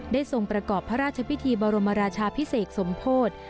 ทรงประกอบพระราชพิธีบรมราชาพิเศษสมโพธิ